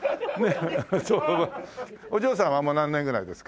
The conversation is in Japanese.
お嬢さんは何年ぐらいですか？